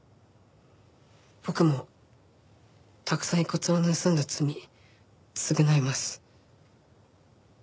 僕もたくさん遺骨を盗んだ罪償います。